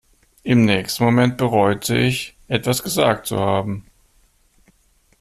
Im nächsten Moment bereute ich, etwas gesagt zu haben.